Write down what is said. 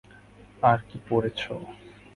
আর কি পড়েছ?